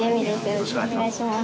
よろしくお願いします